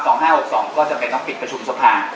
ประธานสภาตามข้อบังคับ๒๕๖๒ก็จะเป็นนอกปิดประชุมสภา